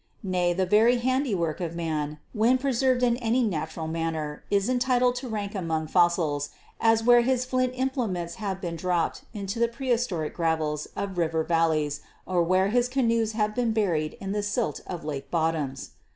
Nay, the very handi work of man, when preserved in any natural manner, is entitled to rank among fossils, as where his flint imple ments have been dropped into the prehistoric gravels of river valleys or where his canoes have been buried in the silt of lake bottoms.